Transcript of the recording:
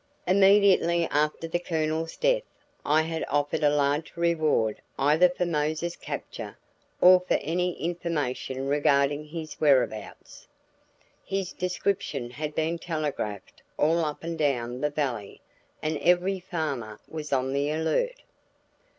Immediately after the Colonel's death I had offered a large reward either for Mose's capture, or for any information regarding his whereabouts. His description had been telegraphed all up and down the valley and every farmer was on the alert.